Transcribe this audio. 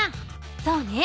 そうね。